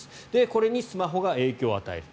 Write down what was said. これにスマホが影響を与える。